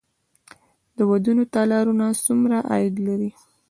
د ودونو تالارونه څومره عاید لري؟